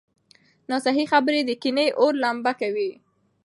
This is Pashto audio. ناصحيح خبرې د کینې اور لمبه کوي.